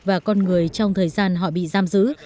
và con người trong thời gian họ bị giam giữ